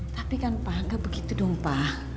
tapi kan pa gak begitu dong pa